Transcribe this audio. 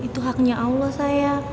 itu haknya allah sayang